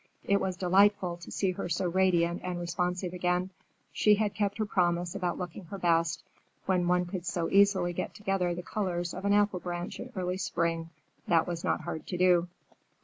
It was delightful to see her so radiant and responsive again. She had kept her promise about looking her best; when one could so easily get together the colors of an apple branch in early spring, that was not hard to do.